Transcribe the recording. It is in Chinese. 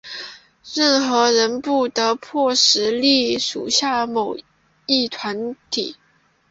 任何人不得迫使隶属于某一团体。